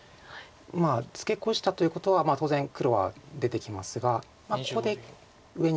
ツケコしたということは当然黒は出てきますがここで上に切るという。